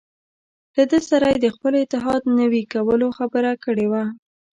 له ده سره یې د خپل اتحاد نوي کولو خبره کړې وه.